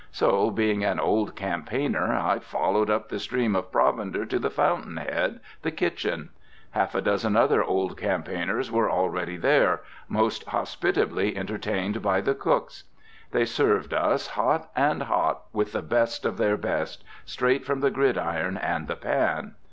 So, being an old campaigner, I followed up the stream of provender to the fountain head, the kitchen. Half a dozen other old campaigners were already there, most hospitably entertained by the cooks. They served us, hot and hot, with the best of their best, straight from the gridiron and the pan.